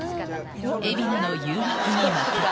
海老名の誘惑に負けた。